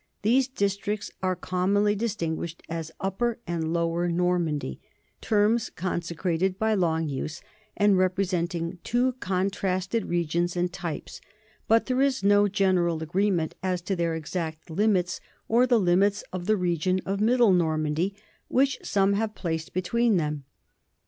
These districts are commonly distinguished as Upper and Lower Normandy, terms consecrated by long use and representing two contrasted regions and types, but there is no general agreement as to their exact limits or the limits of the region of Middle Normandy which some have placed between them.